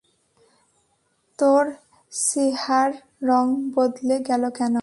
তোর চেহার রঙ বদলে গেলো কেন?